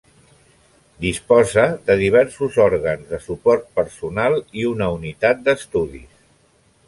Disposa de diversos òrgans de suport personal i una Unitat d'Estudis.